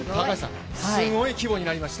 すごい規模になりました。